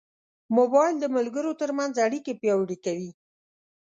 موبایل د ملګرو ترمنځ اړیکې پیاوړې کوي.